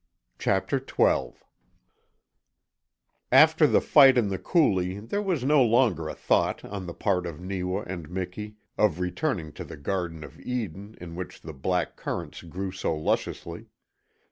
CHAPTER TWELVE After the fight in the coulee there was no longer a thought on the part of Neewa and Miki of returning to the Garden of Eden in which the black currants grew so lusciously.